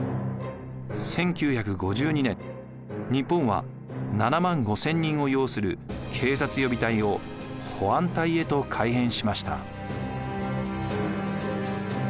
１９５２年日本は７万５，０００人を擁する警察予備隊を保安隊へと改編しました。